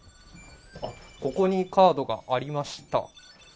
ここにカードがありました。